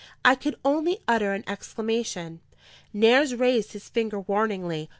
I could only utter an exclamation. Nares raised his finger warningly.